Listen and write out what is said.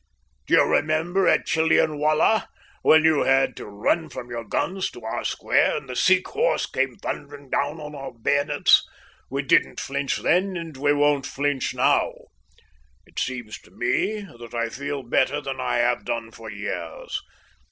D'ye remember at Chillianwallah, when you had to run from your guns to our square, and the Sikh horse came thundering down on our bayonets? We didn't flinch then, and we won't flinch now. It seems to me that I feel better than I have done for years.